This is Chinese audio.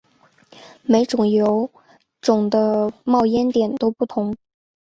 每种油种的冒烟点都不同。